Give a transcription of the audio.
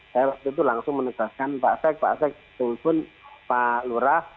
saya waktu itu langsung menegaskan pak sek pak sek tunggul pun pak lurah